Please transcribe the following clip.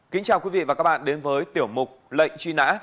kính chào quý vị và các bạn đến với tiểu mục lệnh truy nã